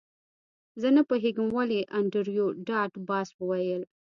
زه نه پوهیږم ولې انډریو ډاټ باس وویل